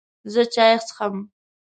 زه چای څښم